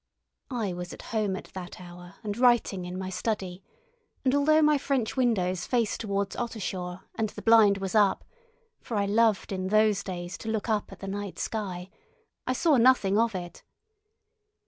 I was at home at that hour and writing in my study; and although my French windows face towards Ottershaw and the blind was up (for I loved in those days to look up at the night sky), I saw nothing of it.